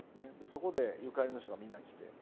そこでゆかりの人がみんな来て。